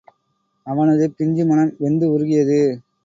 அவனது பிஞ்சு மனம் வெந்து உருகியது.